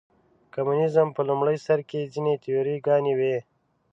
کمونیزم په لومړي سر کې ځینې تیوري ګانې وې.